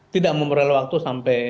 tidak memerlukan waktu sampai